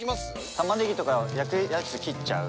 玉ねぎとか焼くやつ切っちゃう？